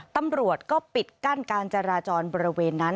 ตำรวจก็ปิดกั้นการจราจรบริเวณนั้น